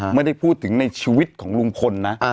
ไม่ได้พูดถึงในชีวิตของลุงพลนะ